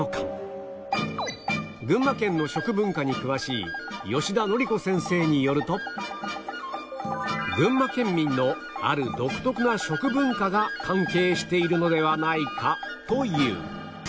群馬県の食文化に詳しい吉田則子先生によると群馬県民のある独特な食文化が関係しているのではないかという